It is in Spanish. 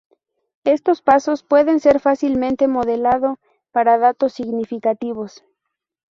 Estos pasos pueden ser fácilmente modelado para datos significativos.